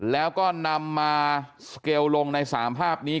แล้วก็นำมาสเกลลงใน๓ภาพนี้